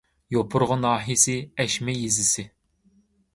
يوپۇرغا ناھىيەسى ئەشمە يېزىسى